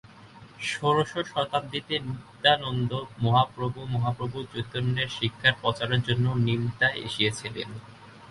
ষোড়শ শতাব্দীতে, নিত্যানন্দ মহাপ্রভু মহাপ্রভু চৈতন্যের শিক্ষার প্রচারের জন্য নিমতায় এসেছিলেন।